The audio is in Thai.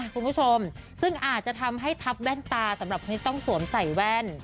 คุณผู้ชมซึ่งอาจจะทำให้ทับแว่นตาสำหรับไม่ต้องสวมใส่แว่น